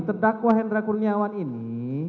terdakwa hendra kurniawan ini